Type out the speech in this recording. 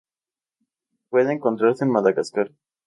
Puede encontrarse en Madagascar.